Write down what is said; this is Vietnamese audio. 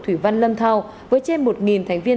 thủy văn lâm thao với trên một thành viên